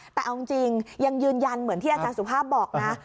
แต่เอาจริงยังยืนยันเหมือนที่อาจารย์สุภาพบอกนะ